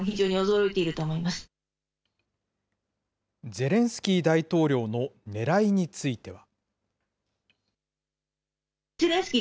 ゼレンスキー大統領のねらいについては。